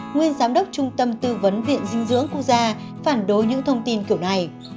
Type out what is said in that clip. nguyên giám đốc trung tâm tư vấn viện dinh dưỡng quốc gia phản đối những thông tin kiểu này